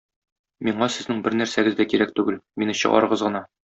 Миңа сезнең бернәрсәгез дә кирәк түгел, мине чыгарыгыз гына.